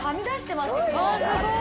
すごーい！